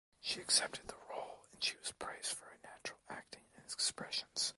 She accepted the role and she was praised for her natural acting and expressions.